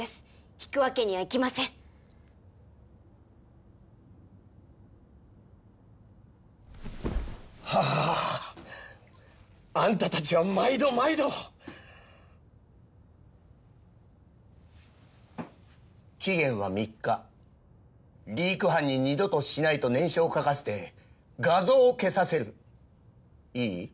引くわけにはいきませんはあーあんたたちは毎度毎度期限は３日リーク犯に二度としないと念書を書かせて画像を消させるいい？